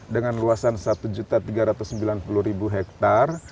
dua ribu dua dengan luasan satu tiga ratus sembilan puluh hektare